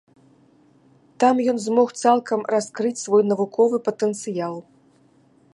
Там ён змог цалкам раскрыць свой навуковы патэнцыял.